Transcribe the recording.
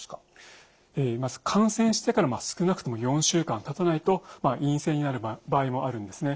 まず感染してから少なくとも４週間経たないと陰性になる場合もあるんですね。